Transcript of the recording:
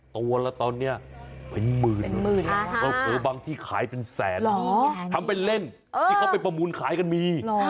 ตัวละตอนนี้เป็นหมื่นบางที่ขายเป็นแสนทำเป็นเล่นที่เขาไปประมูลขายกันมี